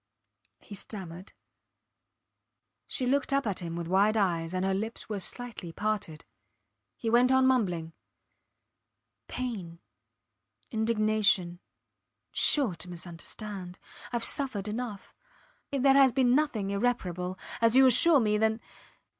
He stammered. She looked up at him with wide eyes, and her lips were slightly parted. He went on mumbling ... Pain. ... Indignation. ... Sure to misunderstand. Ive suffered enough. And if there has been nothing irreparable as you assure me ... then